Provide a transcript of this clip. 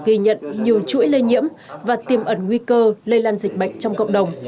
ghi nhận nhiều chuỗi lây nhiễm và tiêm ẩn nguy cơ lây lan dịch bệnh trong cộng đồng